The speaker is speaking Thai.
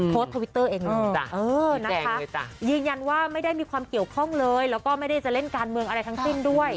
ทวิตเตอร์เองเลยยืนยันว่าไม่ได้มีความเกี่ยวข้องเลยแล้วก็ไม่ได้จะเล่นการเมืองอะไรทั้งสิ้นด้วย